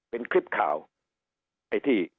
เป็นคลิปข่าวไอ้ที่